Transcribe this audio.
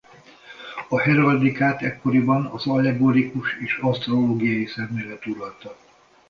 A heraldikát ekkoriban az allegorikus és asztrológiai szemlélet uralta.